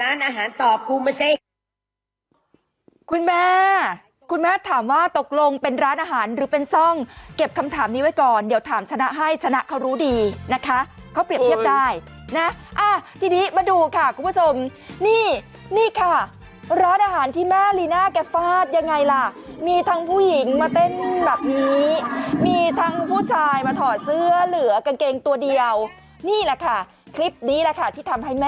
ร้านอาหารตอบครูเมอร์เซคุณแม่คุณแม่ถามว่าตกลงเป็นร้านอาหารหรือเป็นซ่องเก็บคำถามนี้ไว้ก่อนเดี๋ยวถามชนะให้ชนะเขารู้ดีนะคะเขาเปรียบเทียบได้นะอ่ะที่นี้มาดูค่ะคุณผู้ชมนี่นี่ค่ะร้านอาหารที่แม่ลีน่าแกฟาดยังไงล่ะมีทางผู้หญิงมาเต้นแบบนี้มีทางผู้ชายมาถอดเสื้อเหลือกางเกงตัวเดียวนี่